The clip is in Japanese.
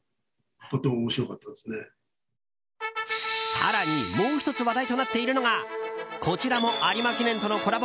更に、もう１つ話題となっているのがこちらも有馬記念とのコラボ